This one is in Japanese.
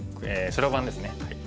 白番ですね。